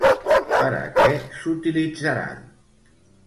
Per a què s'utilitzaran?